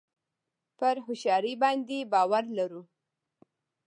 پر هوښیاري باندې باور لرو.